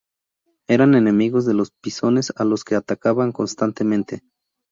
Eran enemigos de los pisones a los que atacaban constantemente.